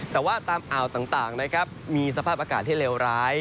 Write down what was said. แต่ว่าตามอ่าวต่างมีสภาพอากาศที่เร็วร้าย